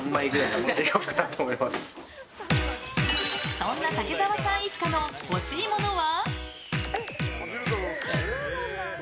そんな武澤さん一家の欲しいものは？